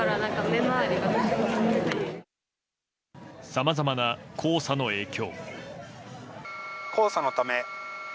さまざまな黄砂の影響。